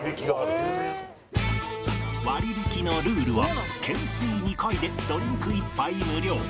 割引のルールは懸垂２回でドリンク１杯無料。